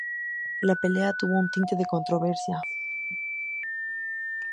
La pelea tuvo un tinte de controversia.